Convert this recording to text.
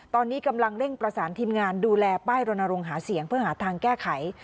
ตอนนี้กำลังเร่งประสานทีมงานดูแลป้ายรณรงค์หาเสียงเพื่อหาทางแก้ไข